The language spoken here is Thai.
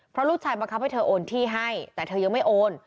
เพราะลูกชายบังคับให้เธอโอนที่ให้แต่เธอยังไม่โอน